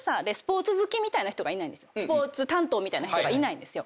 スポーツ担当みたいな人がいないんですよ。